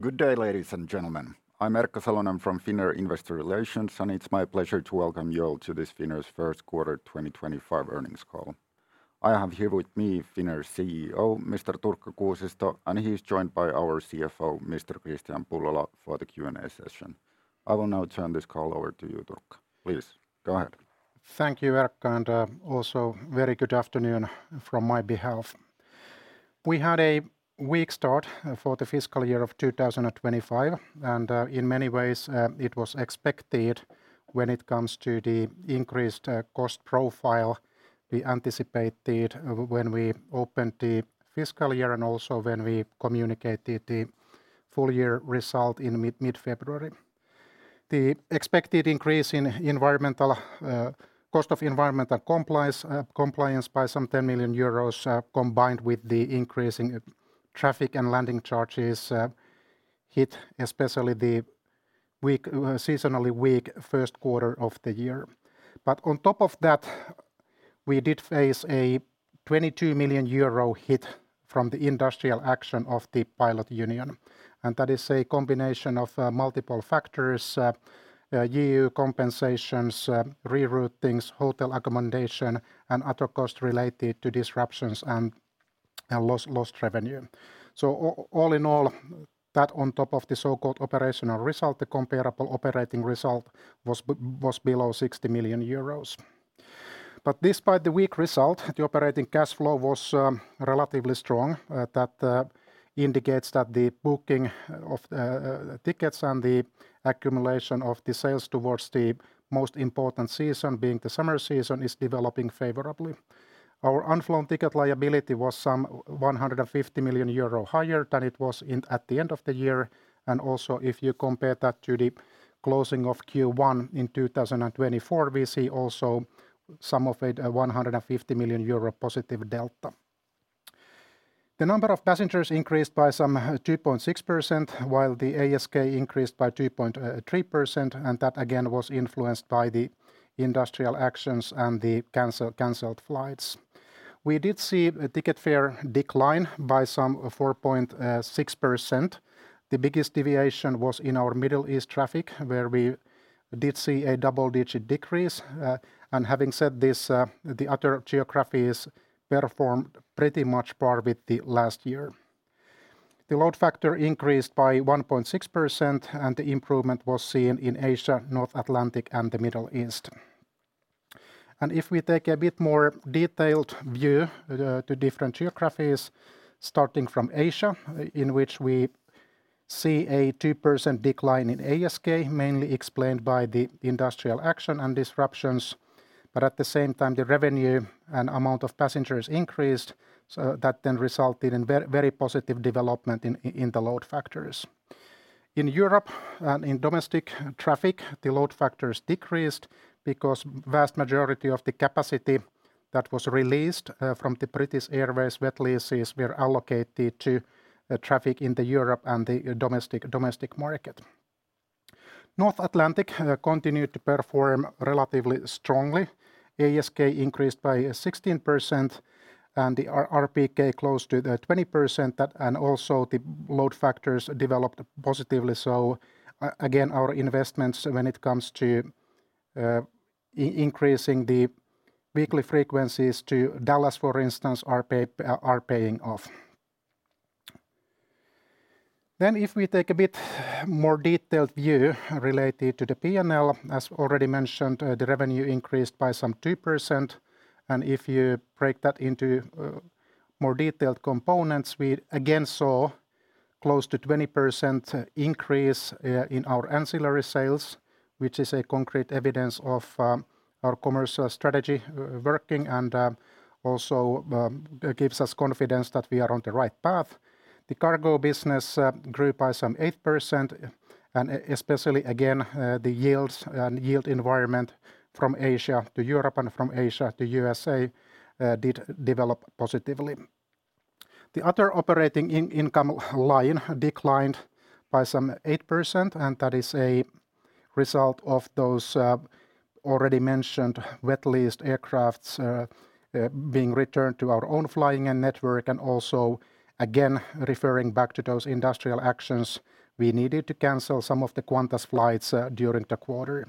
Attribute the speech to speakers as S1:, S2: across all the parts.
S1: Good day, ladies and gentlemen. I'm Erkka Salonen from Finnair Investor Relations, and it's my pleasure to welcome you all to this Finnair's first quarter 2025 earnings call. I have here with me Finnair's CEO, Mr. Turkka Kuusisto, and he's joined by our CFO, Mr. Kristian Pullola, for the Q&A session. I will now turn this call over to you, Turkka. Please, go ahead.
S2: Thank you, Erkka, and also very good afternoon from my behalf. We had a weak start for the fiscal year of 2025, and in many ways it was expected when it comes to the increased cost profile we anticipated when we opened the fiscal year and also when we communicated the full year result in mid-February. The expected increase in cost of environmental compliance by some 10 million euros, combined with the increasing traffic and landing charges, hit especially the seasonally weak first quarter of the year. On top of that, we did face a 22 million euro hit from the industrial action of the pilot union. That is a combination of multiple factors: EU compensations, reroutings, hotel accommodation, and other costs related to disruptions and lost revenue. All in all, that on top of the so-called operational result, the comparable operating result was below 60 million euros. Despite the weak result, the operating cash flow was relatively strong. That indicates that the booking of tickets and the accumulation of the sales towards the most important season, being the summer season, is developing favorably. Our unflown ticket liability was some 150 million euro higher than it was at the end of the year. Also, if you compare that to the closing of Q1 in 2024, we see also some of a 150 million euro positive delta. The number of passengers increased by some 2.6%, while the ASK increased by 2.3%, and that again was influenced by the industrial actions and the canceled flights. We did see a ticket fare decline by some 4.6%. The biggest deviation was in our Middle East traffic, where we did see a double-digit decrease. Having said this, the other geographies performed pretty much par with the last year. The load factor increased by 1.6%, and the improvement was seen in Asia, North Atlantic, and the Middle East. If we take a bit more detailed view to different geographies, starting from Asia, in which we see a 2% decline in ASK, mainly explained by the industrial action and disruptions, but at the same time, the revenue and amount of passengers increased, so that then resulted in very positive development in the load factors. In Europe and in domestic traffic, the load factors decreased because the vast majority of the capacity that was released from the British Airways were allocated to traffic in Europe and the domestic market. North Atlantic continued to perform relatively strongly. ASK increased by 16%, and the RPK closed to 20%, and also the load factors developed positively. Again, our investments when it comes to increasing the weekly frequencies to Dallas, for instance, are paying off. If we take a bit more detailed view related to the P&L, as already mentioned, the revenue increased by some 2%. If you break that into more detailed components, we again saw close to 20% increase in our ancillary sales, which is concrete evidence of our commercial strategy working and also gives us confidence that we are on the right path. The cargo business grew by some 8%, and especially again, the yields and yield environment from Asia to Europe and from Asia to USA did develop positively. The other operating income line declined by some 8%, and that is a result of those already mentioned wet lease aircraft being returned to our own flying network, and also, again referring back to those industrial actions, we needed to cancel some of the Qantas flights during the quarter.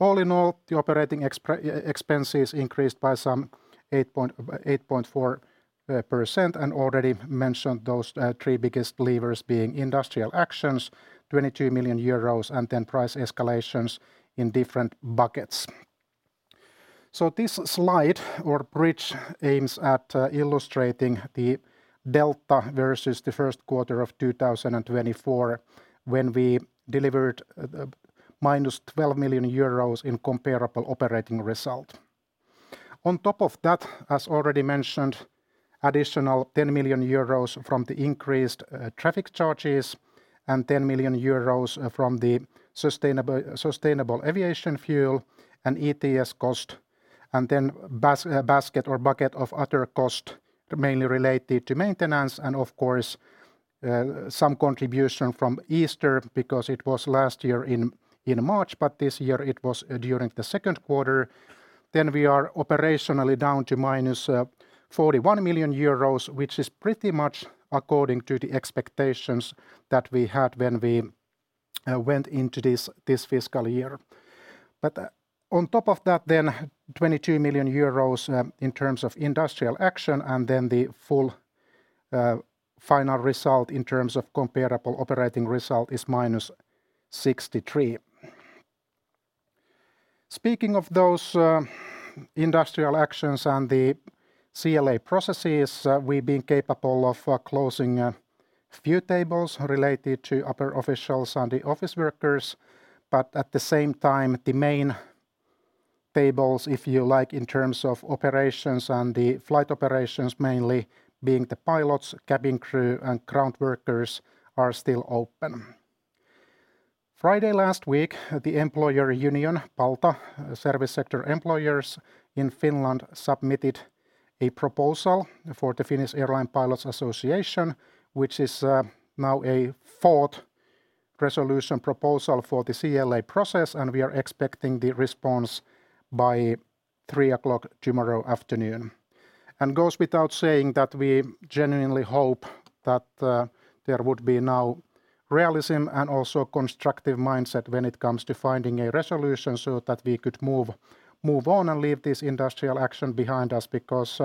S2: All in all, the operating expenses increased by some 8.4% and already mentioned those three biggest levers being industrial actions, 22 million euros, and then price escalations in different buckets. This slide or bridge aims at illustrating the delta versus the first quarter of 2024 when we delivered minus 12 million euros in comparable operating result. On top of that, as already mentioned, additional 10 million euros from the increased traffic charges and 10 million euros from the sustainable aviation fuel and ETS cost, and then basket or bucket of other costs mainly related to maintenance and of course some contribution from Easter because it was last year in March, but this year it was during the second quarter. We are operationally down to minus 41 million euros, which is pretty much according to the expectations that we had when we went into this fiscal year. On top of that, 22 million euros in terms of industrial action and then the full final result in terms of comparable operating result is minus 63 million. Speaking of those industrial actions and the CLA processes, we've been capable of closing a few tables related to upper officials and the office workers, but at the same time, the main tables, if you like, in terms of operations and the flight operations, mainly being the pilots, cabin crew, and ground workers are still open. Friday last week, the employer union, Palta, service sector employers in Finland, submitted a proposal for the Finnish Airline Pilots Association, which is now a fourth resolution proposal for the CLA process, and we are expecting the response by 3:00 P.M. tomorrow afternoon. It goes without saying that we genuinely hope that there would be now realism and also a constructive mindset when it comes to finding a resolution so that we could move on and leave this industrial action behind us because,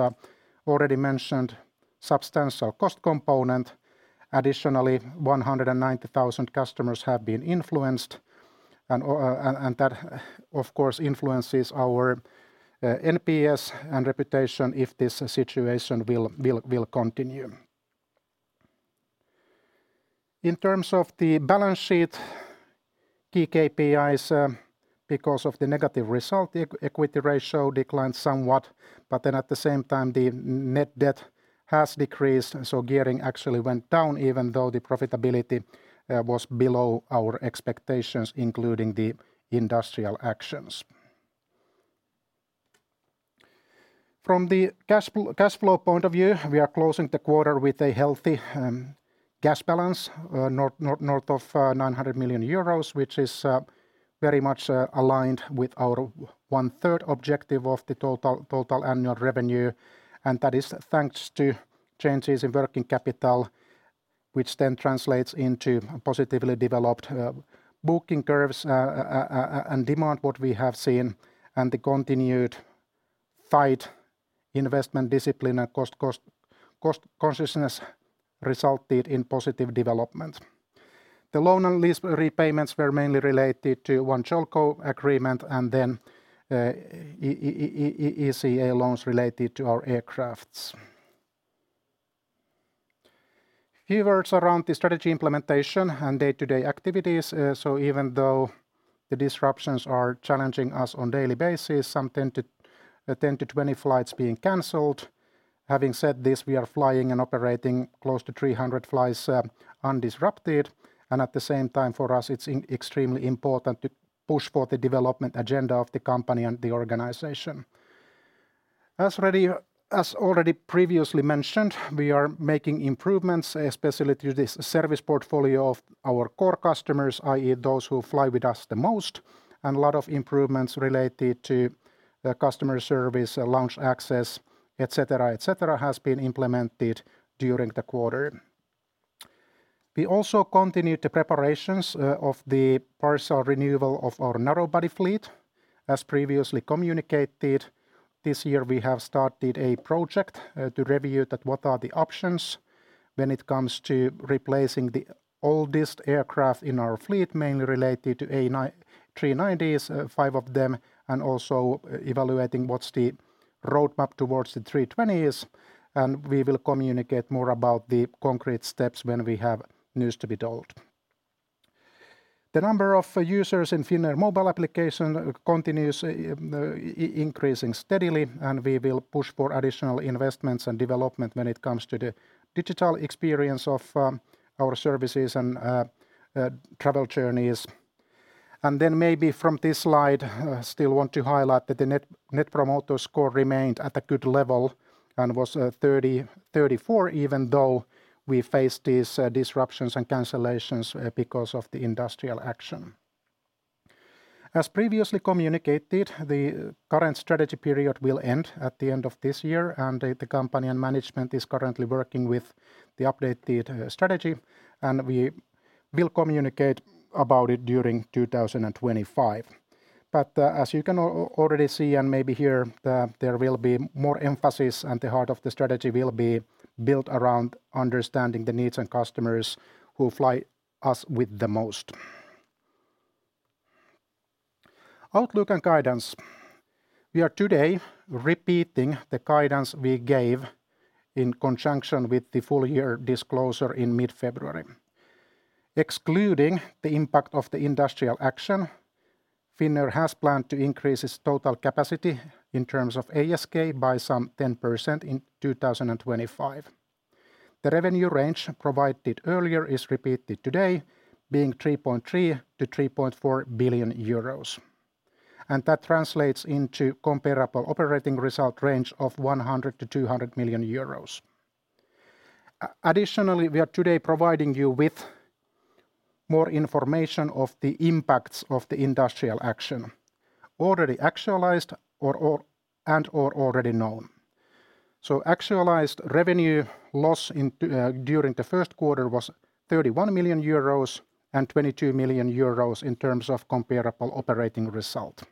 S2: already mentioned, substantial cost component. Additionally, 190,000 customers have been influenced, and that of course influences our NPS and reputation if this situation will continue. In terms of the balance sheet, key KPIs, because of the negative result, equity ratio declined somewhat, but then at the same time the net debt has decreased, so gearing actually went down even though the profitability was below our expectations, including the industrial actions. From the cash flow point of view, we are closing the quarter with a healthy cash balance north of 900 million euros, which is very much aligned with our one-third objective of the total annual revenue, and that is thanks to changes in working capital, which then translates into positively developed booking curves and demand, what we have seen, and the continued tight investment discipline and cost consciousness resulted in positive development. The loan and lease repayments were mainly related to one JOLCO agreement and then ECA loans related to our aircraft. A few words around the strategy implementation and day-to-day activities. Even though the disruptions are challenging us on a daily basis, some 10-20 flights being canceled. Having said this, we are flying and operating close to 300 flights undisrupted, and at the same time for us, it is extremely important to push for the development agenda of the company and the organization. As already previously mentioned, we are making improvements, especially to the service portfolio of our core customers, i.e., those who fly with us the most, and a lot of improvements related to customer service, lounge access, etc., etc. have been implemented during the quarter. We also continued the preparations of the partial renewal of our narrowbody fleet. As previously communicated, this year we have started a project to review what are the options when it comes to replacing the oldest aircraft in our fleet, mainly related to A330s, five of them, and also evaluating what's the roadmap towards the 320s, and we will communicate more about the concrete steps when we have news to be told. The number of users in Finnair mobile application continues increasing steadily, and we will push for additional investments and development when it comes to the digital experience of our services and travel journeys. I still want to highlight that the Net Promoter Score remained at a good level and was 34, even though we faced these disruptions and cancellations because of the industrial action. As previously communicated, the current strategy period will end at the end of this year, and the company and management is currently working with the updated strategy, and we will communicate about it during 2025. As you can already see and maybe hear, there will be more emphasis, and the heart of the strategy will be built around understanding the needs and customers who fly us the most. Outlook and guidance. We are today repeating the guidance we gave in conjunction with the full year disclosure in mid-February. Excluding the impact of the industrial action, Finnair has planned to increase its total capacity in terms of ASK by some 10% in 2025. The revenue range provided earlier is repeated today, being 3.3 billion to 3.4 billion euros. That translates into a comparable operating result range of 100 million to 200 million euros. Additionally, we are today providing you with more information of the impacts of the industrial action, already actualized and/or already known. Actualized revenue loss during the first quarter was 31 million euros and 22 million euros in terms of comparable operating result.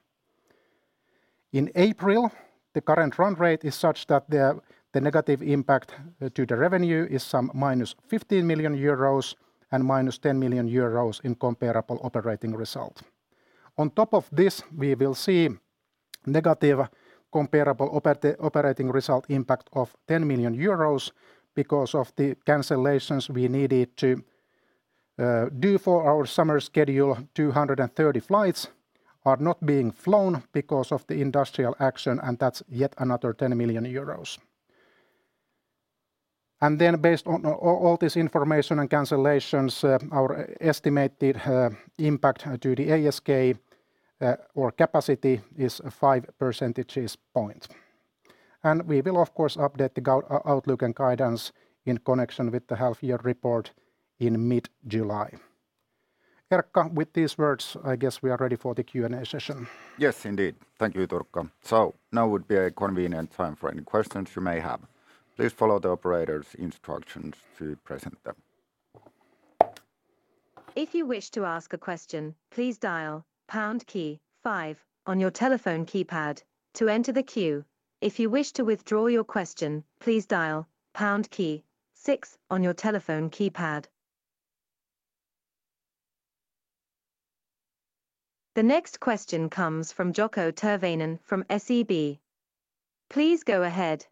S2: In April, the current run rate is such that the negative impact to the revenue is some minus 15 million euros and minus 10 million euros in comparable operating result. On top of this, we will see negative comparable operating result impact of 10 million euros because of the cancellations we needed to do for our summer schedule. 230 flights are not being flown because of the industrial action, and that's yet another 10 million euros. Then, based on all this information and cancellations, our estimated impact to the ASK or capacity is five percentage points. We will, of course, update the outlook and guidance in connection with the half year report in mid-July. Erkka, with these words, I guess we are ready for the Q&A session.
S1: Yes, indeed. Thank you, Turkka. Now would be a convenient time for any questions you may have. Please follow the operator's instructions to present them.
S3: If you wish to ask a question, please dial pound key five on your telephone keypad to enter the queue. If you wish to withdraw your question, please dial pound key six on your telephone keypad. The next question comes from Jaakko Tyrväinen from SEB. Please go ahead.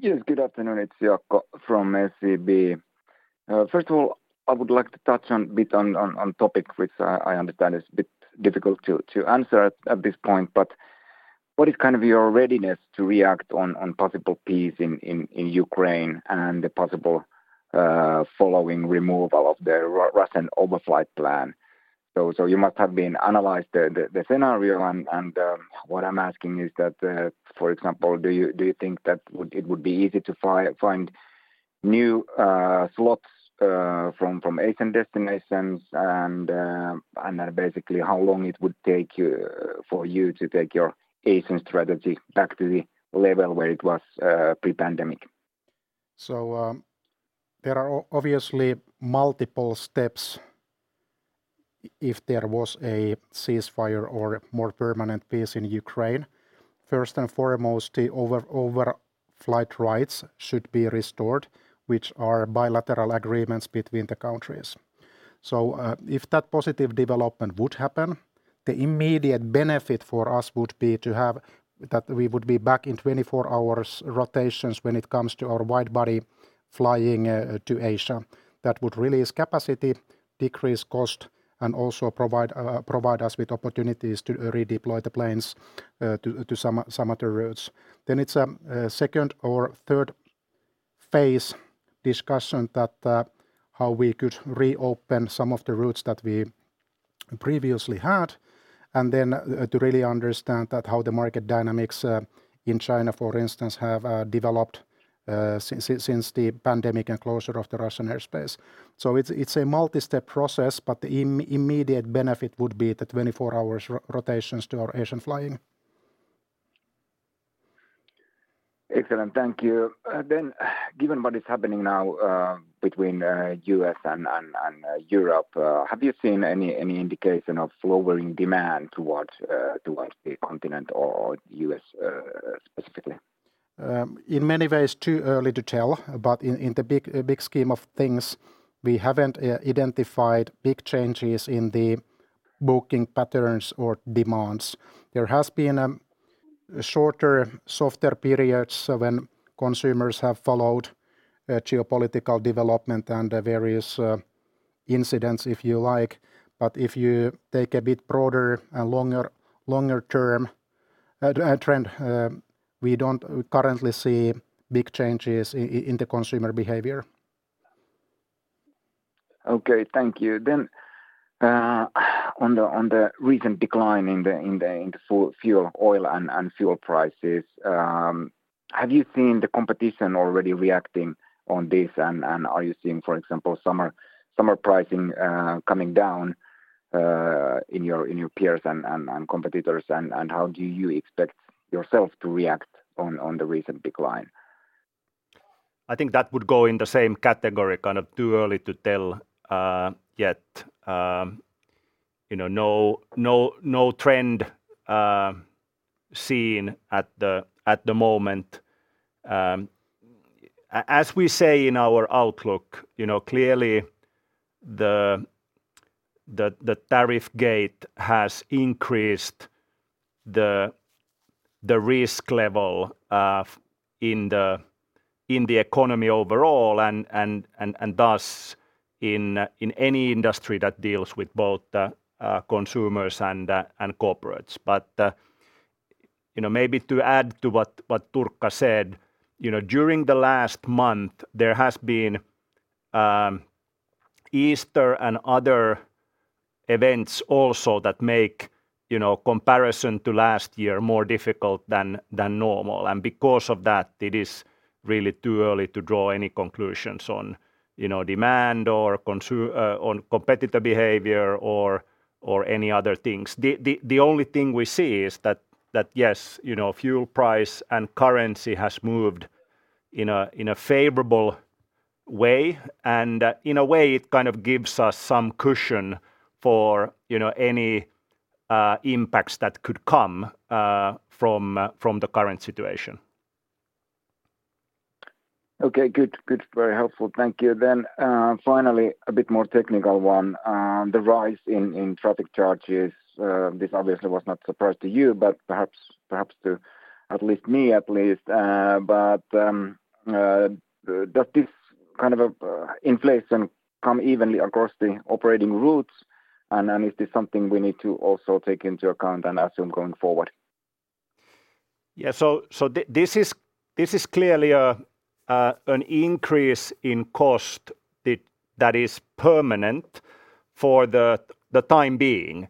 S4: Yes, good afternoon. It's Jaakko from SEB. First of all, I would like to touch a bit on a topic which I understand is a bit difficult to answer at this point, but what is kind of your readiness to react on possible peace in Ukraine and the possible following removal of the Russian overflight plan? You must have analyzed the scenario, and what I'm asking is that, for example, do you think that it would be easy to find new slots from Asian destinations, and basically how long it would take for you to take your Asian strategy back to the level where it was pre-pandemic?
S2: There are obviously multiple steps if there was a ceasefire or more permanent peace in Ukraine. First and foremost, the overflight rights should be restored, which are bilateral agreements between the countries. If that positive development would happen, the immediate benefit for us would be to have that we would be back in 24-hour rotations when it comes to our widebody flying to Asia. That would release capacity, decrease cost, and also provide us with opportunities to redeploy the planes to some other routes. It is a second or third phase discussion how we could reopen some of the routes that we previously had, and then to really understand how the market dynamics in China, for instance, have developed since the pandemic and closure of the Russian airspace. It is a multi-step process, but the immediate benefit would be the 24-hour rotations to our Asian flying.
S4: Excellent. Thank you. Given what is happening now between the U.S. and Europe, have you seen any indication of lowering demand towards the continent or the U.S. specifically?
S2: In many ways, too early to tell, but in the big scheme of things, we have not identified big changes in the booking patterns or demands. There have been shorter, softer periods when consumers have followed geopolitical development and various incidents, if you like, but if you take a bit broader and longer-term trend, we do not currently see big changes in the consumer behavior.
S4: Okay, thank you. On the recent decline in the fuel oil and fuel prices, have you seen the competition already reacting on this, and are you seeing, for example, summer pricing coming down in your peers and competitors, and how do you expect yourself to react on the recent decline?
S5: I think that would go in the same category, kind of too early to tell yet. No trend seen at the moment. As we say in our outlook, clearly the tariff gate has increased the risk level in the economy overall, and thus in any industry that deals with both consumers and corporates. Maybe to add to what Turkka said, during the last month, there has been Easter and other events also that make comparison to last year more difficult than normal, and because of that, it is really too early to draw any conclusions on demand or competitor behavior or any other things. The only thing we see is that, yes, fuel price and currency has moved in a favorable way, and in a way, it kind of gives us some cushion for any impacts that could come from the current situation.
S4: Okay, good. Very helpful. Thank you. Finally, a bit more technical one. The rise in traffic charges, this obviously was not a surprise to you, but perhaps to at least me at least, but does this kind of inflation come evenly across the operating routes, and is this something we need to also take into account and assume going forward?
S5: Yeah, this is clearly an increase in cost that is permanent for the time being,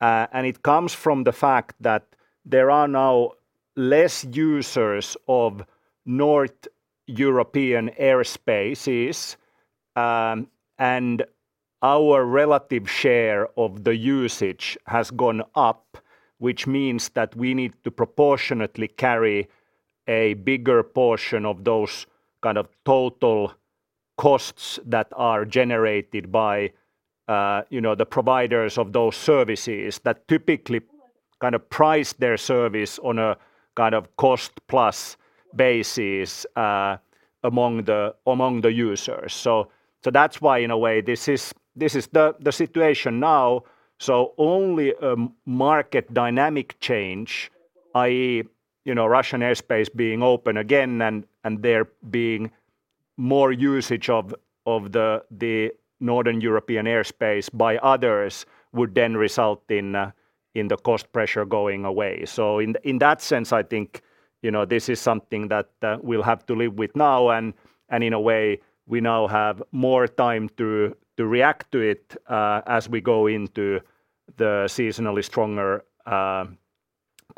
S5: and it comes from the fact that there are now less users of North European airspaces, and our relative share of the usage has gone up, which means that we need to proportionately carry a bigger portion of those kind of total costs that are generated by the providers of those services that typically kind of price their service on a kind of cost-plus basis among the users. That is why, in a way, this is the situation now. Only a market dynamic change, i.e., Russian airspace being open again and there being more usage of the Northern European airspace by others, would then result in the cost pressure going away. In that sense, I think this is something that we'll have to live with now, and in a way, we now have more time to react to it as we go into the seasonally stronger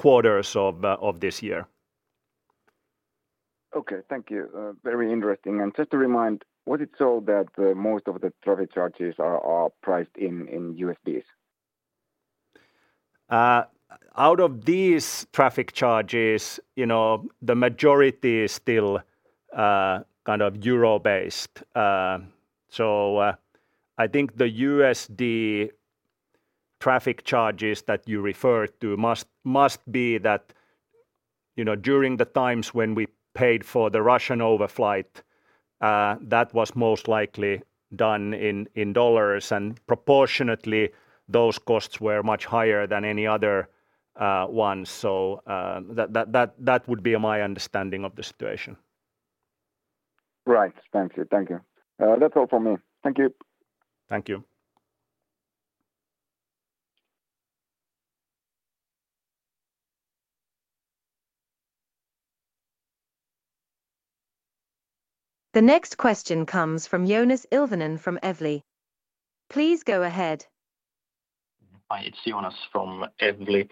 S5: quarters of this year.
S4: Okay, thank you. Very interesting. Just to remind, what is so that most of the traffic charges are priced in USD?
S5: Out of these traffic charges, the majority is still kind of euro-based. I think the USD traffic charges that you referred to must be that during the times when we paid for the Russian overflight, that was most likely done in dollars, and proportionately, those costs were much higher than any other ones. That would be my understanding of the situation. Right. Thank you. That's all from me. Thank you.
S4: Thank you.
S3: The next question comes from Joonas Ilvonen from Evli. Please go ahead.
S6: Hi, it's Joonas from Evli.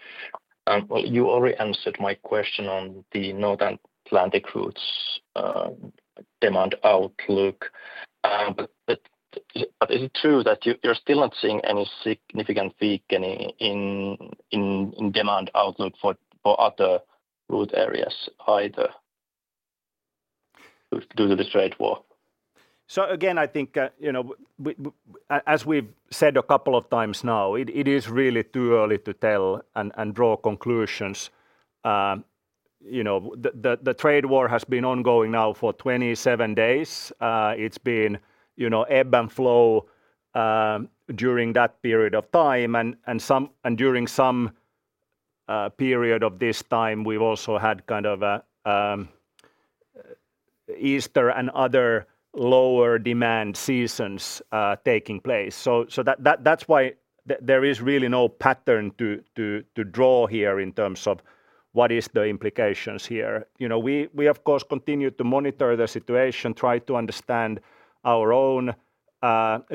S6: You already answered my question on the North Atlantic routes demand outlook, but is it true that you're still not seeing any significant weakening in demand outlook for other route areas either due to the trade war?
S5: Again, I think as we've said a couple of times now, it is really too early to tell and draw conclusions. The trade war has been ongoing now for 27 days. It's been ebb and flow during that period of time, and during some period of this time, we've also had kind of Easter and other lower demand seasons taking place. That is why there is really no pattern to draw here in terms of what are the implications here. We, of course, continue to monitor the situation, try to understand our own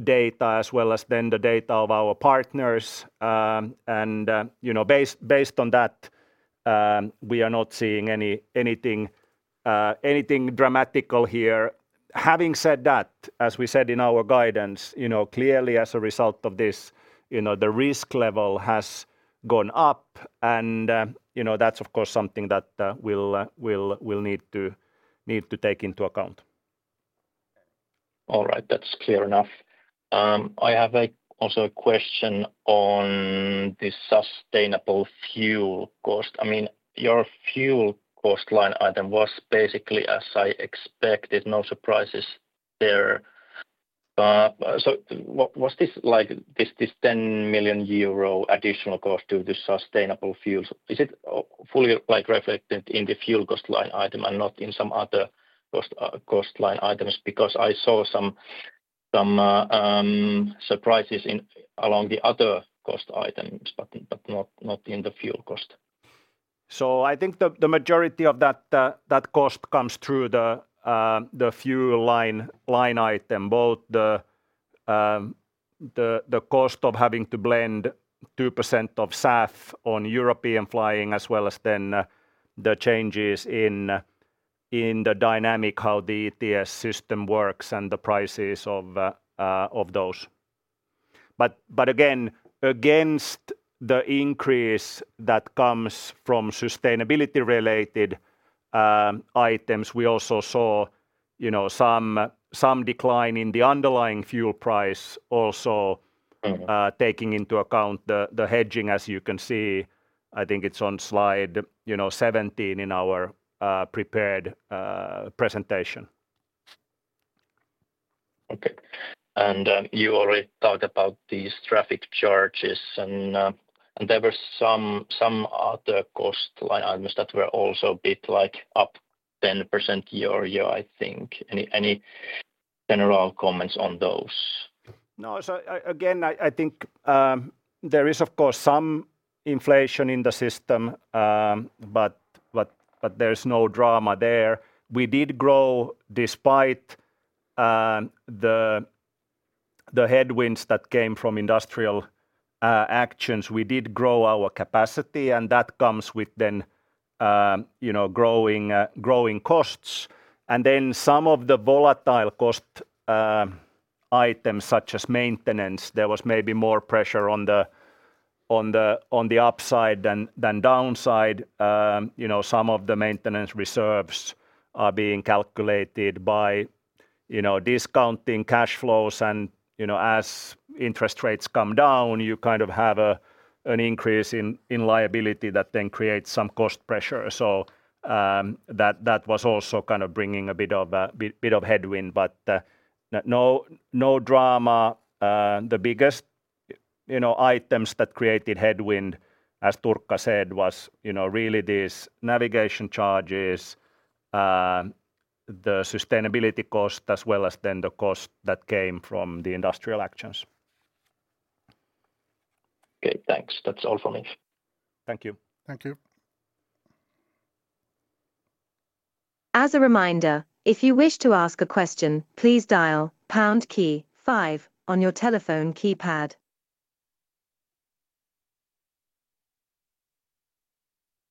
S5: data as well as then the data of our partners, and based on that, we are not seeing anything dramatical here. Having said that, as we said in our guidance, clearly as a result of this, the risk level has gone up, and that is, of course, something that we will need to take into account.
S6: All right. That is clear enough. I have also a question on the sustainable fuel cost. I mean, your fuel cost line item was basically as I expected, no surprises there. Was this 10 million euro additional cost due to sustainable fuels? Is it fully reflected in the fuel cost line item and not in some other cost line items? Because I saw some surprises along the other cost items, but not in the fuel cost.
S5: I think the majority of that cost comes through the fuel line item, both the cost of having to blend 2% of SAF on European flying as well as the changes in the dynamic, how the ETS system works, and the prices of those. Again, against the increase that comes from sustainability-related items, we also saw some decline in the underlying fuel price also taking into account the hedging, as you can see. I think it's on slide 17 in our prepared presentation.
S6: Okay. You already talked about these traffic charges, and there were some other cost line items that were also a bit up 10% year, I think. Any general comments on those?
S5: No, again, I think there is, of course, some inflation in the system, but there's no drama there. We did grow despite the headwinds that came from industrial actions. We did grow our capacity, and that comes with then growing costs. Some of the volatile cost items, such as maintenance, there was maybe more pressure on the upside than downside. Some of the maintenance reserves are being calculated by discounting cash flows, and as interest rates come down, you kind of have an increase in liability that then creates some cost pressure. That was also kind of bringing a bit of headwind, but no drama. The biggest items that created headwind, as Turkka said, was really these navigation charges, the sustainability cost, as well as the cost that came from the industrial actions.
S6: Okay, thanks. That's all from me.
S5: Thank you.
S2: Thank you.
S3: As a reminder, if you wish to ask a question, please dial pound key five on your telephone keypad.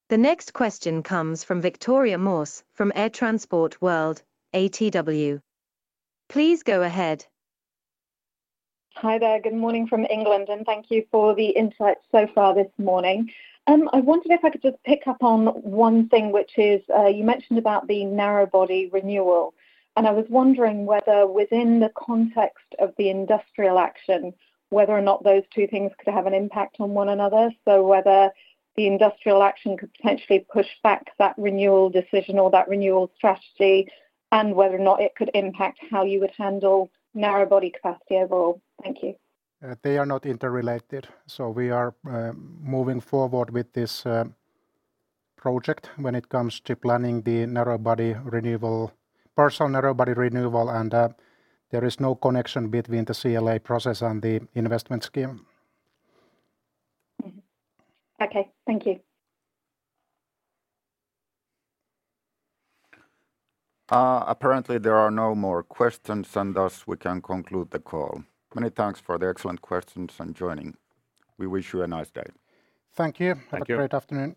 S3: The next question comes from Victoria Moores from Air Transport World, ATW. Please go ahead.
S7: Hi there, good morning from England, and thank you for the insights so far this morning. I wondered if I could just pick up on one thing, which is you mentioned about the narrowbody renewal, and I was wondering whether within the context of the industrial action, whether or not those two things could have an impact on one another, so whether the industrial action could potentially push back that renewal decision or that renewal strategy, and whether or not it could impact how you would handle narrowbody capacity overall. Thank you.
S2: They are not interrelated, so we are moving forward with this project when it comes to planning the partial narrowbody renewal, and there is no connection between the CLA process and the investment scheme.
S3: Okay, thank you.
S1: Apparently, there are no more questions, and thus we can conclude the call. Many thanks for the excellent questions and joining. We wish you a nice day.
S2: Thank you. Have a great afternoon.